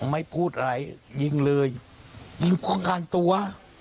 ไม่พูดอะไรยิงเลยยิงป้องกันตัว